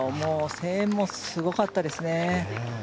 声援もすごかったですね。